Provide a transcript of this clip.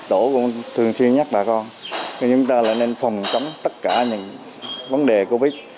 tổ cũng thường xuyên nhắc bà con chúng ta là nên phòng chống tất cả những vấn đề covid